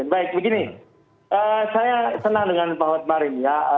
baik begini saya senang dengan pak watmar ini ya